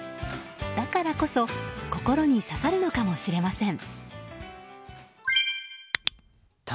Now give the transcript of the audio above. だからこそ心に刺さるのかもしれません。